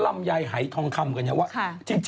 เพราะวันนี้หล่อนแต่งกันได้ยังเป็นสวย